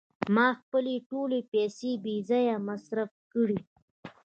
ما خپلې ټولې پیسې بې ځایه مصرف کړې.